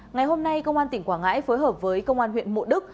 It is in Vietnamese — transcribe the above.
ngày hôm nay công an tỉnh quảng ngãi phối hợp với công an huyện mộ đức